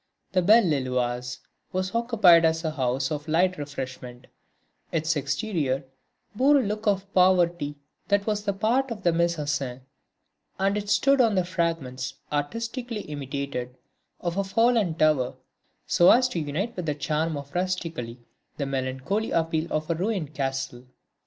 The Belle Lilloise was occupied as a house of light refreshment; its exterior bore a look of poverty that was part of the mise en scène and it stood on the fragments, artistically imitated, of a fallen tower, so as to unite with the charm of rusticity the melancholy appeal of a ruined castle.